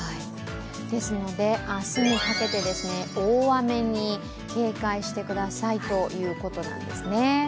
ですので明日にかけて大雨に警戒してくださいということなんですね。